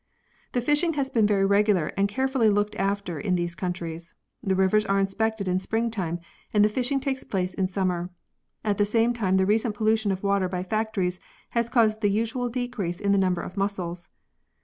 The fishing has been very regular and carefully looked after in these countries. The rivers are inspected in springtime and the fishing takes place in summer. At the same time the recent pollution of water by factories has caused the usual decrease in the number of mussels.